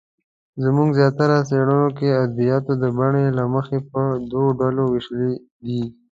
زموږ زیاتره څېړنو کې ادبیات د بڼې له مخې په دوو ډولونو وېشلې دي.